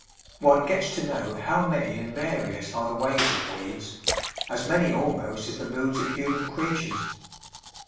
One gets to know how many and various are the ways of weeds as many almost as the moods of human creatures.